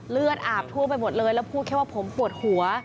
เลือดอาบทั่วไปหมดเลยแล้วพูดแค่ว่าผมปวดหัว